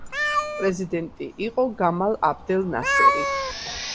პრეზიდენტი იყო გამალ აბდელ ნასერი.